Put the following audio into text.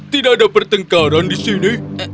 tidak ada pertengkaran di sini